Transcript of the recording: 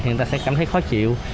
thì người ta sẽ cảm thấy khó chịu